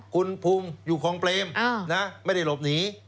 คุณภูมิอยู่คลองเปรมไม่ได้หลบหนี